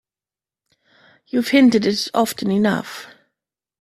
You've hinted it often enough.